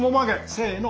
せの！